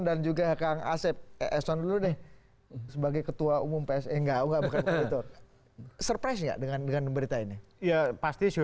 dan juga kang s eson dulu nih sebagai ketua umum pse gaketot surprise nya dengan dengan berita ini ya pasti surprise tapi saya menduga besarnya itu jadi mereka foi lebih sasaran yang dikatakan oleh kristofor dan parasite dari pbkowe